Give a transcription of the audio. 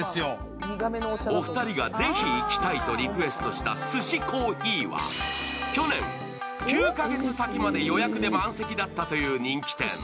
お二人がぜひ行きたいとリクエストしたスシコーヒーは去年、９か月先まで予約で満席だったという人気店。